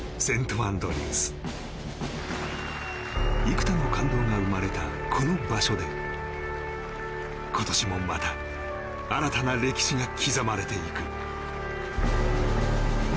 幾多の感動が生まれたこの場所で今年もまた新たな歴史が刻まれていく。